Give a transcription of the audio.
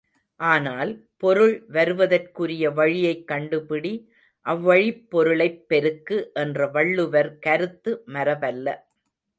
ஆனால், பொருள் வருவதற்குரிய வழியைக் கண்டுபிடி அவ்வழிப் பொருளைப் பெருக்கு என்ற வள்ளுவர் கருத்து மரபல்ல.